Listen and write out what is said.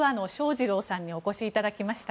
二郎さんにお越しいただきました。